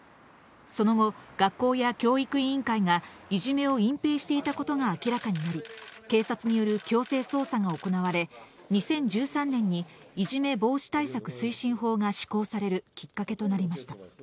その後、学校や教育委員会がいじめを隠蔽していたことが明らかになり、警察による強制捜査が行われ、２０１３年にいじめ防止対策推進法が施行されるきっかけとなりました。